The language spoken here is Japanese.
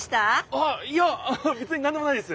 あっいやべつになんでもないです。